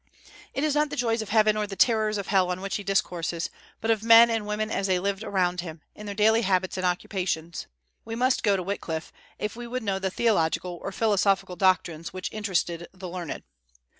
It is not the joys of heaven or the terrors of hell on which he discourses, but of men and women as they lived around him, in their daily habits and occupations. We must go to Wyclif if we would know the theological or philosophical doctrines which interested the learned.